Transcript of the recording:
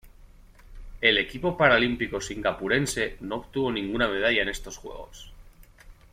El equipo paralímpico singapurense no obtuvo ninguna medalla en estos Juegos.